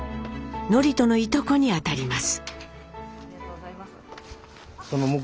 智人のいとこにあたります。